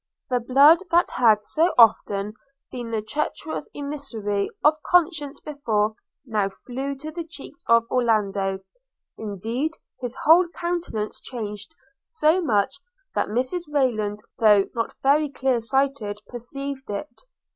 The blood that had so often been the treacherous emissary of conscience before, now flew to the cheeks of Orlando; indeed his whole countenance changed so much that Mrs Rayland, though not very clear sighted perceived it.